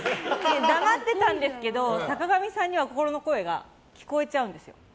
黙ってたんですけど坂上さんには心の声が聞こえちゃうんですよ。